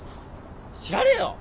知らねえよ！